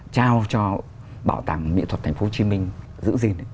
trao cho bảo tàng miễn thuật thành phố hồ chí minh giữ gìn